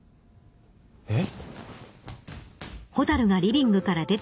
えっ？